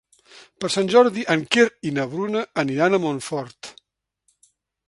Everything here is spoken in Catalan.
Per Sant Jordi en Quer i na Bruna aniran a Montfort.